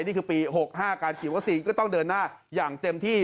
นี่คือปี๖๕การฉีดวัคซีนก็ต้องเดินหน้าอย่างเต็มที่